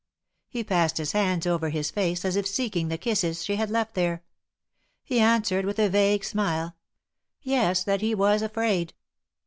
He passed his hands over his face, as if seeking the kisses she had left there. He answered, with a vague smile, Yes, that he was afraid."